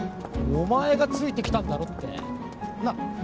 お前がついてきたんだろってなあ？